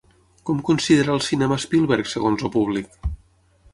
Com considera el cinema Spielberg segons el públic?